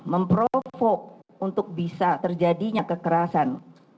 memprovok untuk bisa terjadinya kekerasan